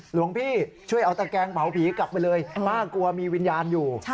หลวงพี่ช่วยเอาตะแกงเผาผีกลับไปเลยป้ากลัวมีวิญญาณอยู่